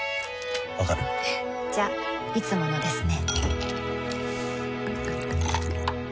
わかる？じゃいつものですね